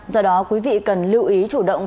do đó quý vị cần lưu ý chủ động